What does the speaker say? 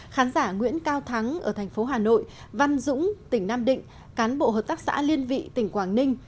khán giả nguyễn cao thắng ở thành phố hà nội văn dũng tỉnh nam định cán bộ hợp tác xã liên vị tỉnh quảng ninh